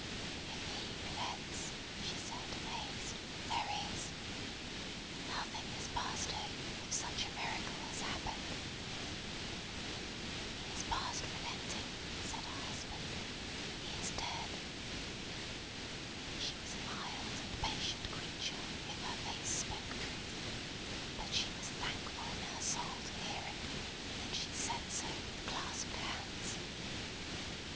"If he relents," she said, amazed, "there is! Nothing is past hope, if such a miracle has happened." "He is past relenting," said her husband. "He is dead." She was a mild and patient creature if her face spoke truth; but she was thankful in her soul to hear it, and she said so, with clasped hands.